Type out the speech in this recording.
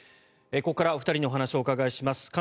ここからお二人にお話をお伺いします。